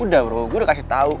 udah berapa gue udah kasih tau